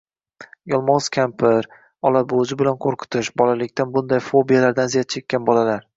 Yalmog‘iz kampir, olabo‘ji bilan qo‘rqitish – bolalikdan bunday fobiyalardan aziyat chekkan bolalar